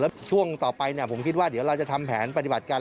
แล้วช่วงต่อไปผมคิดว่าเดี๋ยวเราจะทำแผนปฏิบัติการ